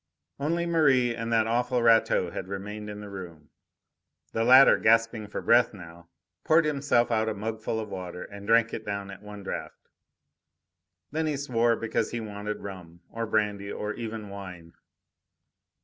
Only Merri and that awful Rateau had remained in the room. The latter, gasping for breath now, poured himself out a mugful of water and drank it down at one draught. Then he swore, because he wanted rum, or brandy, or even wine.